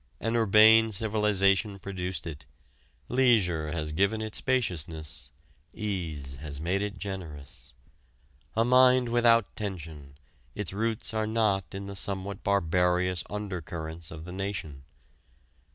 An urbane civilization produced it, leisure has given it spaciousness, ease has made it generous. A mind without tension, its roots are not in the somewhat barbarous under currents of the nation.